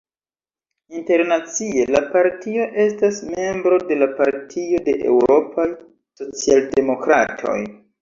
Internacie, la partio estas membro de la Partio de Eŭropaj Socialdemokratoj.